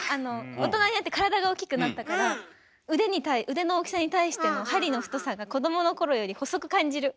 大人になって体が大きくなったから腕の大きさに対しての針の太さが子どものころより細く感じる。